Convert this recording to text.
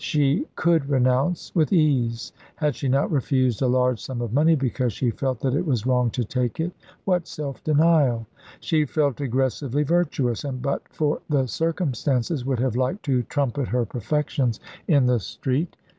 She could renounce, with ease: had she not refused a large sum of money because she felt that it was wrong to take it? What self denial! She felt aggressively virtuous, and but for the circumstances would have liked to trumpet her perfections in the street.